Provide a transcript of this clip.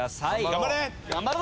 頑張れ！